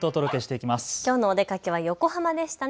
きょうのお出かけは横浜でしたね。